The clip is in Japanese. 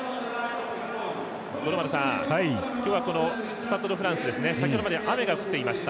五郎丸さん、今日はスタッド・ド・フランス先ほどまで雨が降っていました。